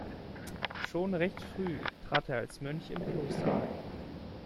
Schon recht früh trat er als Mönch im Kloster ein.